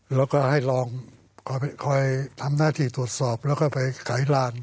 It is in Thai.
แล้วก็ให้ลองคอยทำหน้าที่ตรวจสอบแล้วก็ไปขายลาน